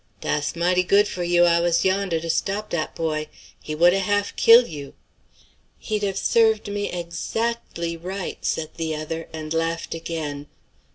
"Dass mighty good for you I was yondah to stop dat boy. He would 'a' half kill' you." "He'd have served me ex actly right," said the other, and laughed again.